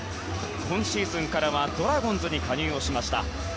今シーズンからはドラゴンズに加入しました。